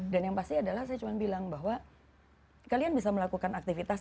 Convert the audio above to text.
dan yang pasti adalah saya cuma bilang bahwa kalian bisa melakukan aktivitas